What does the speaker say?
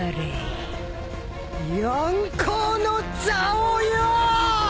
四皇の座をよぉ！